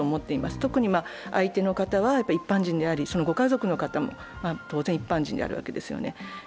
特に相手の方は一般人であり、そのご家族の方も当然、一般人であるわけですよね。